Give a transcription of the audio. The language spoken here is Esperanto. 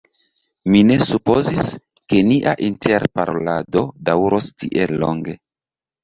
Mi ne supozis, ke nia interparolado daŭros tiel longe.